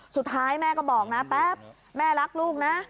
สุดท้ายแม่ก็บอกนะแป๊บแม่รักลูกนะ